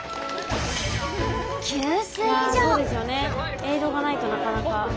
エイドがないとなかなか。